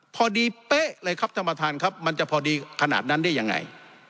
เป๊ะเลยครับท่านประธานครับมันจะพอดีขนาดนั้นได้ยังไง